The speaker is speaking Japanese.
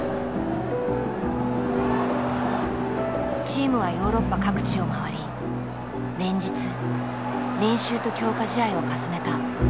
チームはヨーロッパ各地を回り連日練習と強化試合を重ねた。